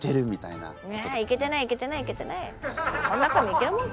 そんな紙イケるもんか。